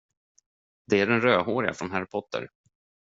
Det är den rödhårige från Harry Potter.